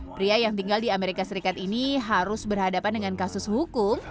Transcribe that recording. pria yang tinggal di amerika serikat ini harus berhadapan dengan kasus hukum